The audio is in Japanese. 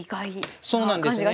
そうなんですね。